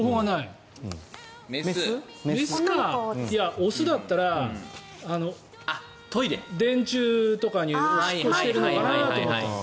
雄だったら電柱とかにおしっこしているのかなと思ったの。